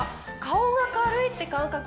顔が軽いって感覚